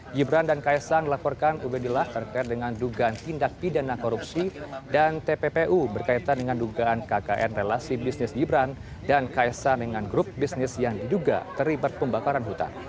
gibran dan kaisang dilaporkan ubedillah terkait dengan dugaan tindak pidana korupsi dan tppu berkaitan dengan dugaan kkn relasi bisnis gibran dan kaisang dengan grup bisnis yang diduga terlibat pembakaran hutan